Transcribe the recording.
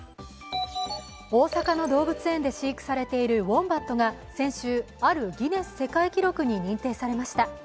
大阪の動物園で飼育されているウオンバットが先週あるギネス世界記録に認定されました。